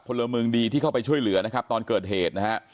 พลเมืองดีที่เข้าไปช่วยเหลือนะครับตอนเกิดเหตุนะฮะ